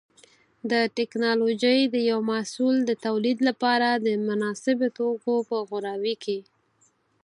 د ټېکنالوجۍ د یو محصول د تولید لپاره د مناسبو توکو په غوراوي کې.